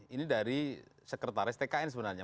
ini dari sekretaris tkn sebenarnya